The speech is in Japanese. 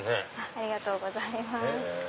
ありがとうございます。